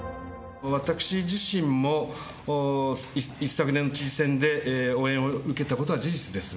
私自身も一昨年の知事選で応援を受けたことは事実です。